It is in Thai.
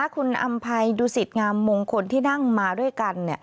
คุณอำภัยดุสิตงามมงคลที่นั่งมาด้วยกัน